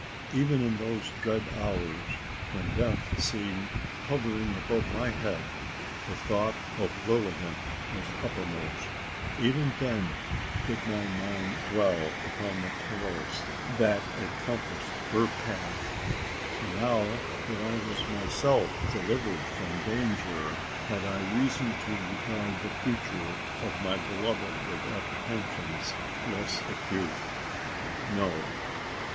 Even in those dread hours when death seemed hovering above my head, the thought of Lilian was uppermost even then did my mind dwell upon the perils that encompassed her path. And now that I was myself delivered from danger, had I reason to regard the future of my beloved with apprehensions less acute? No.